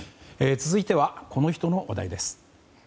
続いてはこの人の話題です。